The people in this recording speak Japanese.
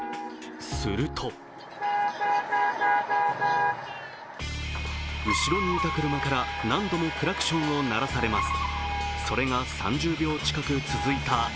すると後ろにいた車から何度もクラクションを鳴らされます。